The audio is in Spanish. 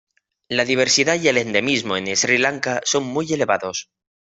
La diversidad y el endemismo en Sri Lanka son muy elevados.